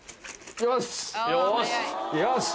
よし！